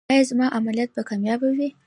ایا زما عملیات به کامیابه وي؟